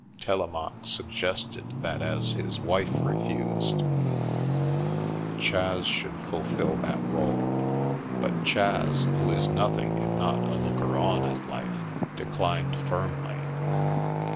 " Telemaque suggested that as his wife refused, Chas should fulfil that role, but Chas, who is nothing if not a looker on at life, declined firmly.